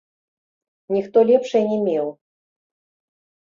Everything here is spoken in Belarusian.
Ніхто лепшай не меў.